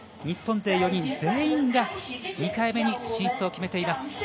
日本勢４人全員が２回目に進出を決めています。